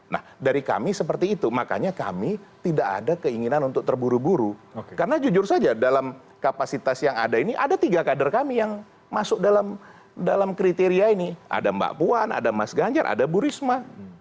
nah dari kami seperti itu makanya kami tidak ada keinginan untuk terburu buru karena jujur saja dalam kapasitas yang ada ini ada tiga kader kami yang masuk dalam kriteria ini ada mbak puan ada mas ganjar ada bu risma